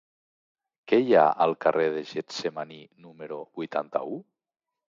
Què hi ha al carrer de Getsemaní número vuitanta-u?